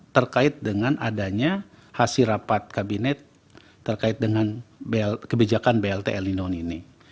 terkait dengan adanya hasil rapat kabinet terkait dengan kebijakan blt el nino ini